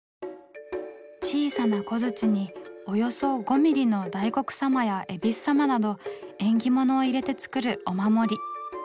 小さな小づちにおよそ５ミリの大黒様や恵比寿様など縁起物を入れて作るお守り。